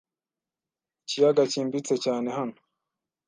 Ikiyaga cyimbitse cyane hano.